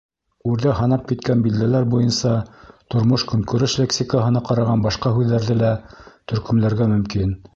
Үрҙә һанап киткән билдәләр буйынса тормош-көнкүреш лексикаһына ҡараған башҡа һүҙҙәрҙе лә төркөмләргә мөмкин.